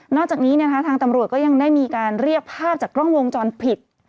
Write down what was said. จากนี้ทางตำรวจก็ยังได้มีการเรียกภาพจากกล้องวงจรปิด